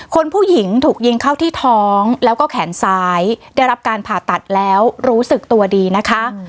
คนผู้หญิงถูกยิงเข้าที่ท้องแล้วก็แขนซ้ายได้รับการผ่าตัดแล้วรู้สึกตัวดีนะคะ